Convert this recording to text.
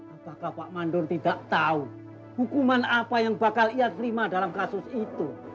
apakah pak mandur tidak tahu hukuman apa yang bakal ia terima dalam kasus itu